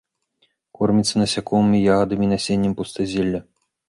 Корміцца насякомымі, ягадамі, насеннем пустазелля.